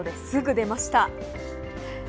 すぐ出ました。